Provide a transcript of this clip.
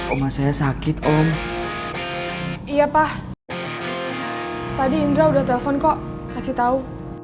oma saya sakit om iya pak tadi indra udah telepon kok kasih tahu